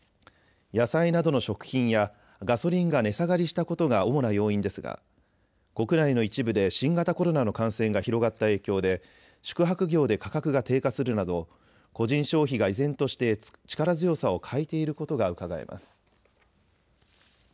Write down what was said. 野菜などの食品やガソリンが値下がりしたことが主な要因ですが国内の一部で新型コロナの感染が広がった影響で宿泊業で価格が低下するなど個人消費が依然として力強さを欠いていることがうかがえます。